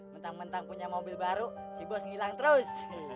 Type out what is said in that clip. mentang mentang punya mobil baru si bos ngilang terus